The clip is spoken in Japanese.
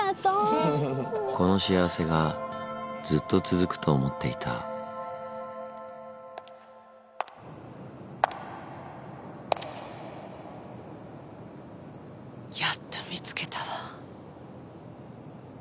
この幸せがずっと続くと思っていたやっと見つけたわ。